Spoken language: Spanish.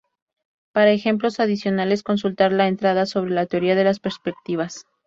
Para ejemplos adicionales, consultar la entrada sobre la teoría de las perspectivas.